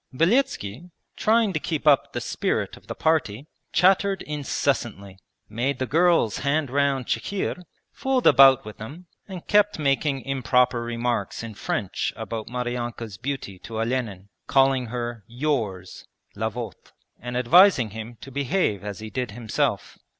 Beletski, trying to keep up the spirit of the party, chattered incessantly, made the girls hand round chikhir, fooled about with them, and kept making improper remarks in French about Maryanka's beauty to Olenin, calling her 'yours' (la votre), and advising him to behave as he did himself.